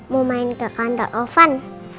mau main ke kantor ovan